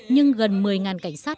nhưng gần một mươi cảnh sát